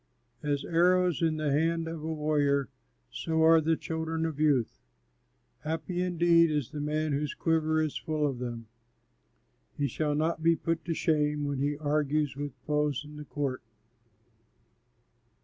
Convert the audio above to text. As arrows in the hand of a warrior, so are the children of youth. Happy indeed is the man whose quiver is full of them, He shall not be put to shame when he argues with foes in the court.